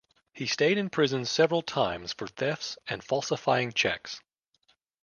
He stayed in prison several times for thefts and falsifying checks.